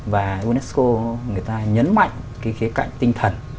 và unesco người ta nhấn mạnh cái khía cạnh tinh thần